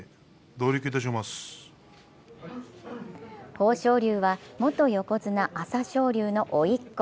豊昇龍は元横綱・朝青龍のおいっ子。